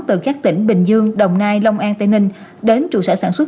từ các tỉnh bình dương đồng nai long an tây ninh đến trụ sở sản xuất